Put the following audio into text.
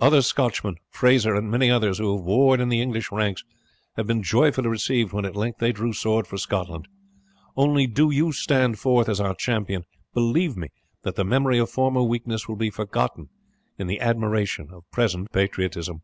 Other Scotchmen, Fraser and many others, who have warred in the English ranks, have been joyfully received when at length they drew sword for Scotland. Only do you stand forth as our champion, believe me, that the memory of former weakness will be forgotten in the admiration of present patriotism."